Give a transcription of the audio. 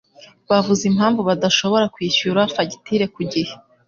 Bavuze impamvu badashobora kwishyura fagitire ku gihe?